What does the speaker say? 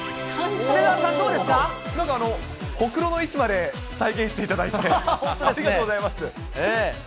なんか、ほくろの位置まで再現していただいて、ありがとうございます。